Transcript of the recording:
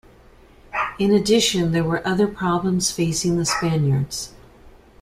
In addition there were other problems facing the Spaniards.